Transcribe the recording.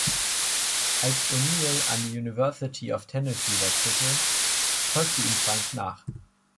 Als O'Neill an die University of Tennessee wechselte, folgte Frank ihm nach.